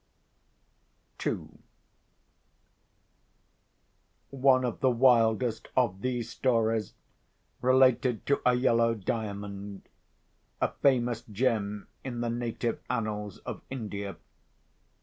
II One of the wildest of these stories related to a Yellow Diamond—a famous gem in the native annals of India.